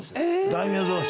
大名同士？